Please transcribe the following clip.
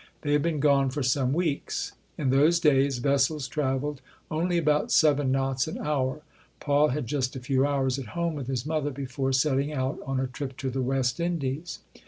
They had been gone for some weeks. In those days vessels traveled only about seven knots an hour. Paul had just a few hours at home with his mother before setting out on a trip to the West Indies.